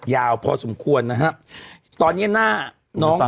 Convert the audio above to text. ยาวพอสมควรนะฮะตอนเนี้ยหน้าน้อง